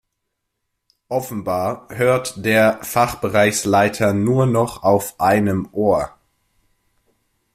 Offenbar hört der Fachbereichsleiter nur noch auf einem Ohr.